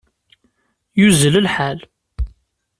Yuzzel lḥal.